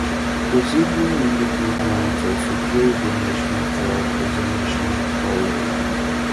Brazilian military units also carry the national flag as a National Colour.